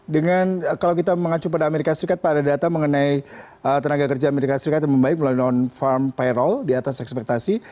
dengan kalau kita mengacu pada amerika serikat pada data mengenai tenaga kerja amerika serikat yang membaik melalui non farm viral di atas ekspektasi